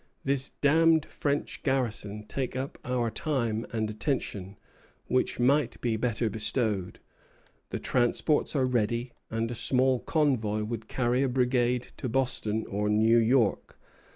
This damned French garrison take up our time and attention, which might be better bestowed. The transports are ready, and a small convoy would carry a brigade to Boston or New York.